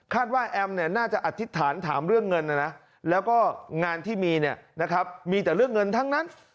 คาดว่าแอมน่าจะอธิษฐานถามเรื่องเงินแล้วก็งานที่มีมีแต่เรื่องเงินทั้งนั้น